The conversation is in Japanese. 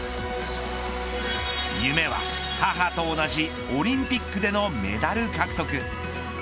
夢は母と同じオリンピックでのメダル獲得。